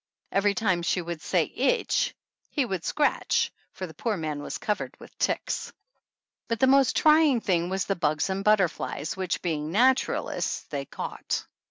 Every time she would say itch he would scratch, for the poor man was covered with ticks. But the most trying thing was the bugs and butterflies, which being "naturalists" they caught.